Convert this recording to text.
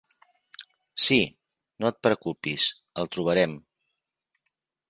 Sí, no et preocupis; el trobarem.